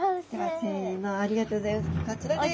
せのありがとうギョざいます。